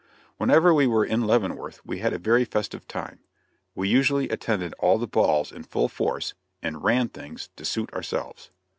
Whenever we were in Leavenworth we had a very festive time. We usually attended all the balls in full force, and "ran things" to suit ourselves.